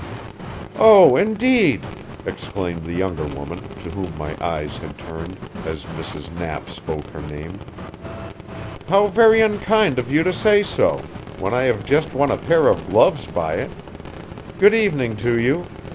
"Oh, indeed!" exclaimed the younger woman, to whom my eyes had turned as Mrs. Knapp spoke her name. "How very unkind of you to say so, when I have just won a pair of gloves by it. Good evening to you!"